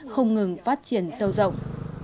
không ngừng phát triển sâu rộng